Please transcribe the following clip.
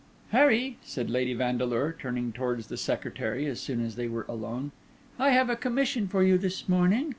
"Harry," said Lady Vandeleur, turning towards the secretary as soon as they were alone, "I have a commission for you this morning.